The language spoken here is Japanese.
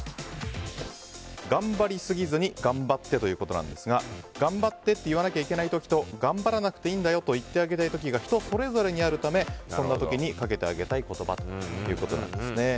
「頑張り過ぎずに、ガンバって」ということなんですが頑張ってって言わなきゃいけない時と頑張らなくていいんだよと言ってあげられる時が人それぞれにあるためそんな時にかけてあげたい言葉だということです。